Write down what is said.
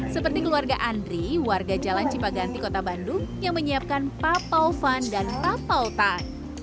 seperti keluarga andri warga jalan cipaganti kota bandung yang menyiapkan pao pao phan dan pao pao tang